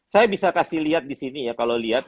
saya bisa kasih lihat di sini ya kalau lihat